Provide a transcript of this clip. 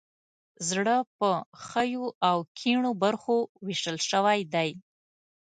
زړه په ښیو او کیڼو برخو ویشل شوی دی.